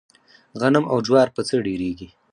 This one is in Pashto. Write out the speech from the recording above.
غنم او جوار په څۀ ډېريږي؟